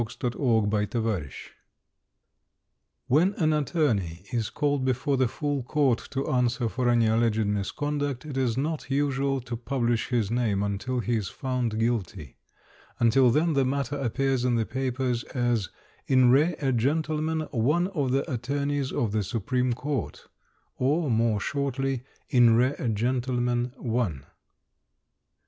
"In Re a Gentleman, One" When an attorney is called before the Full Court to answer for any alleged misconduct it is not usual to publish his name until he is found guilty; until then the matter appears in the papers as "In re a Gentleman, One of the Attorneys of the Supreme Court", or, more shortly, "In re a Gentleman, One".